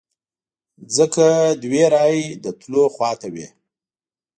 ځکه دوه رایې د تلو خواته وې.